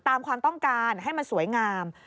ตามความต้องการให้มันสวยงาม